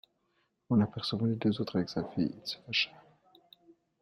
En apercevant les deux autres avec sa fille, il se fâcha.